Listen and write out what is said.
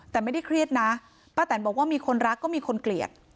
แต่ไม่ได้เครียดนะป้าแตนบอกว่ามีคนรักก็มีคนเกลียด